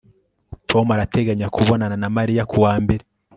Tom arateganya kubonana na Mariya kuwa mbere